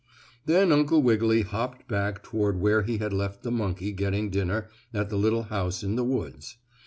Then Uncle Wiggily hopped back toward where he had left the monkey getting dinner at the little house in the woods.